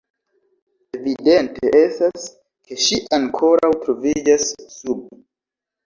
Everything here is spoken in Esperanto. Evidente estas, ke ŝi ankoraŭ troviĝas sub.